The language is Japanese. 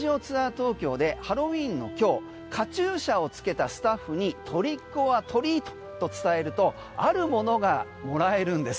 東京でハロウィーンの今日カチューシャをつけたスタッフにトリック・オア・トリートと伝えるとあるものがもらえるんです。